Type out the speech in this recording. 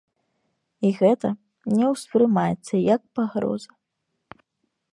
І гэта не ўспрымаецца як пагроза.